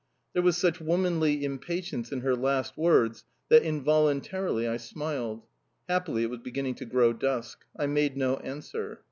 There was such womanly impatience in her last words that, involuntarily, I smiled; happily it was beginning to grow dusk... I made no answer.